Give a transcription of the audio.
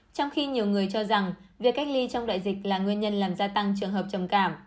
trong khi nhiều người cho rằng việc cách ly trong đại dịch là nguyên nhân làm gia tăng trường hợp trầm cảm